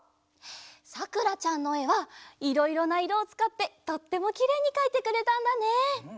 さくらちゃんのえはいろいろないろをつかってとってもきれいにかいてくれたんだね。